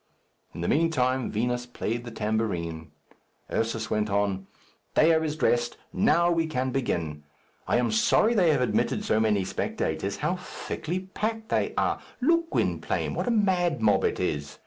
In the meantime Vinos played the tambourine. Ursus went on, "Dea is dressed. Now we can begin. I am sorry they have admitted so many spectators. How thickly packed they are! Look, Gwynplaine, what a mad mob it is!